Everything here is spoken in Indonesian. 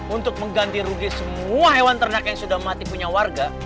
untuk mengganti rugi semua hewan ternak yang sudah mati punya warga